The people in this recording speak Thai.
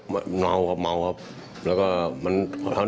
แต่ยอมรับไหมว่าเป็นคนไปยิงพ่อจริง